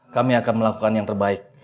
kami akan melakukan yang terbaik